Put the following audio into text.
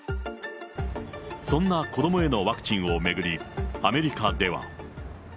そんな子どもへのワクチンを巡り、アメリカでは。